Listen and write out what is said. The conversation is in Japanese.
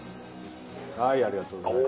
ありがとうございます。